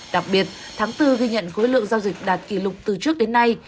đặc biệt tháng bốn ghi nhận khối lượng giao dịch đạt kỷ lục từ trước đến nay